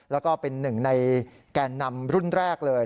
แล้วก็เป็นหนึ่งในแกนนำรุ่นแรกเลย